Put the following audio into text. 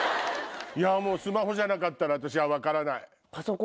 スマホじゃなかったら私は分からない。